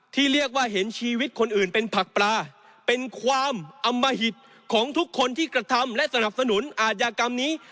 ที่เรียกว่าเห็นชีวิตคนอื่นเป็นผักปลาเป็นความอมหิตของทุกคนที่กระทำและสนับสนุนอาชญากรรมนี้